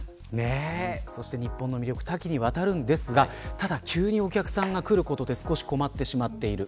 日本の魅力は多岐にわたりますが急激にお客さんが来ることで少し困ってしまっています。